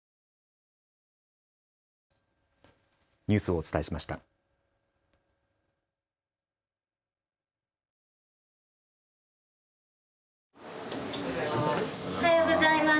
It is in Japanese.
おはようございます。